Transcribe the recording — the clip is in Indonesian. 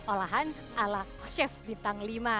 olahan ala chef bintang lima